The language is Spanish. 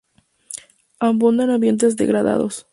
Abunda en ambientes degradados.